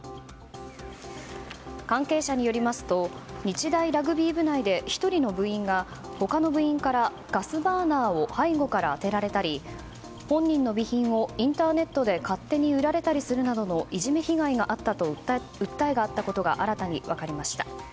関係者によりますと日大ラグビー部内で１人の部員が他の部員からガスバーナーを背後から当てられたり本人の備品をインターネットで勝手に売られたりするなどのいじめ被害があったと訴えがあったことが新たに分かりました。